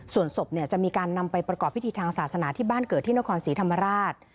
ส่วนศพจะมีการนำไปประกอบพิธีทางศาสนาที่บ้านเกิดที่นครศรีธรรมราช